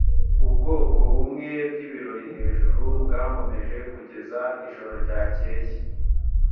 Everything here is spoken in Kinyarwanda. Ubwoko bumwe bwibirori hejuru byankomeje kugeza ijoro ryakeye